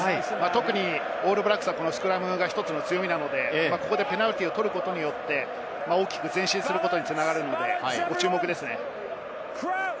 特にオールブラックスはスクラムが１つの強みなので、ペナルティーを取ることによって、大きく前進することに繋がるので注目ですね。